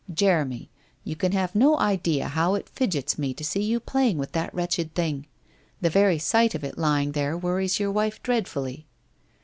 'Jeremy, you can have no idea how it fidgets me to see you playing with that wretched thing ! The very sight of it lying there worries your wife dreadfully.'